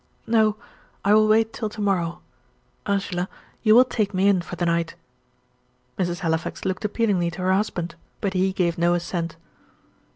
"No, I will wait till to morrow. Ursula, you will take me in for the night?" Mrs. Halifax looked appealingly to her husband, but he gave no assent.